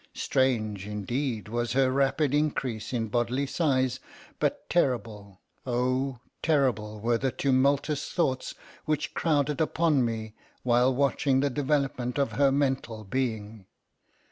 Strange, indeed, was her rapid increase in bodily size—but terrible, oh! terrible were the tumultuous thoughts which crowded upon me while watching the development of her mental being.